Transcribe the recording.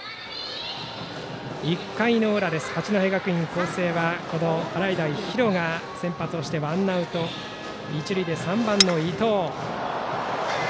１回の裏、八戸学院光星は洗平比呂が先発してワンアウト、一塁で３番の伊藤。